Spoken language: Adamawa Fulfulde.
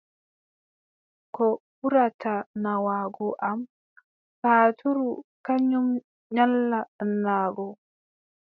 Ko ɓurata naawaago am, paatuuru kanyum nyalla ɗaanaago.